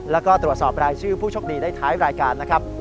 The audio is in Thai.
แล้วก็ตรวจสอบรายชื่อผู้โชคดีได้ท้ายรายการนะครับ